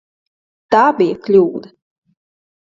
Tā bija kļūda.